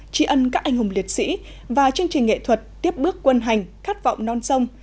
tri ân các anh hùng liệt sĩ và chương trình nghệ thuật tiếp bước quân hành khát vọng non sông